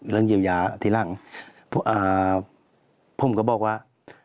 เรื่องเยียวยาทีหลังอ่าผมก็บอกว่า